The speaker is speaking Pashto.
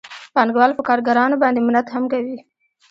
پانګوال په کارګرانو باندې منت هم کوي